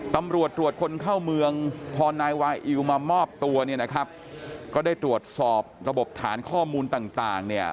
ตำรวจตรวจคนเข้าเมืองพอนายวาอิวมามอบตัวเนี่ยนะครับก็ได้ตรวจสอบระบบฐานข้อมูลต่างเนี่ย